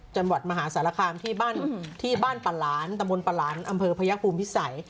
จันหวัดมหาสารคามที่บ้านปะล้านตะบนปะล้านอำเภอพยักษ์ภูมิพิสัย